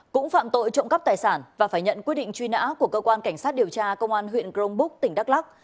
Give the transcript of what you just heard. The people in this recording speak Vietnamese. cũng phạm tội trộm cắp tài sản và phải nhận quyết định truy nã của cơ quan cảnh sát điều tra công an huyện crong búc tỉnh đắk lắc